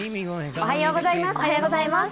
おはようございます。